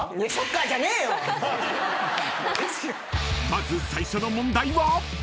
［まず最初の問題は］